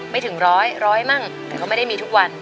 ถึงร้อยร้อยมั่งแต่เขาไม่ได้มีทุกวัน